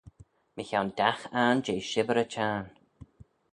Mychione dagh ayrn jeh shibbyr y Çhiarn.